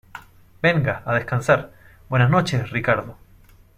venga, a descansar. buenas noches, Ricardo.